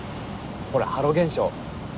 ほらハロ現象。